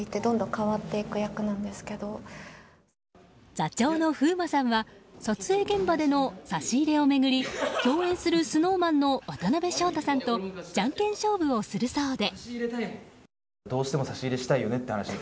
座長の風磨さんは撮影現場での差し入れを巡り共演する、ＳｎｏｗＭａｎの渡辺翔太さんとじゃんけん勝負をするそうで。